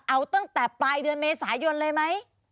เอาตั้งแต่ปลายเดือนเมษายนเลยไหม